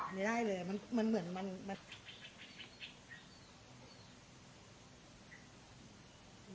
ไม่ได้เลยมันเหมือนมัน